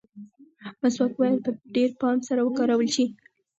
مسواک باید په ډېر پام سره وکارول شي.